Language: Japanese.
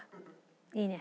いいね。